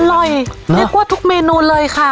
เรียกว่าทุกเมนูเลยค่ะ